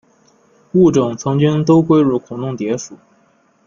物种曾经都归入孔弄蝶属。